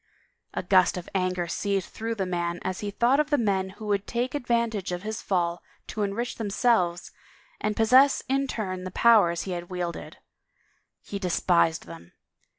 A gust of anger seethed through the man as he thought of the men who would take advantage of his fall to enrich themselves and possess in turn the powers he had wielded. He despised them.